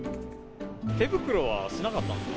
手袋はしなかったんですか？